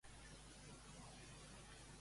Quin tros de cúmbia.